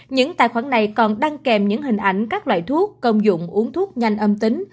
những tài khoản này còn đăng kèm những hình ảnh các loại thuốc công dụng uống thuốc nhanh âm tính